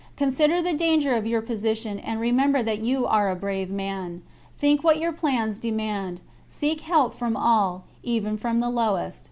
Consider the danger of your position, and remember that you are a brave man. Think what your plans demand ; seek help from all, even from the lowest."